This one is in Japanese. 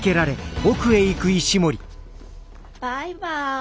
バイバイ。